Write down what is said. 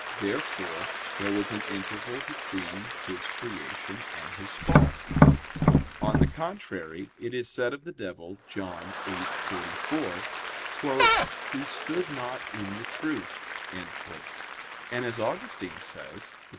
Therefore there was an interval between his creation and his fall. On the contrary, It is said of the devil (John 8:44): "He stood not in the truth": and, as Augustine says (De Civ.